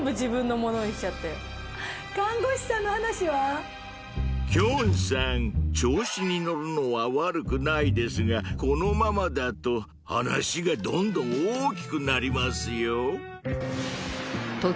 看護師さんの話は？きょんさん調子に乗るのは悪くないですがこのままだと話がどんどん大きくなりますよ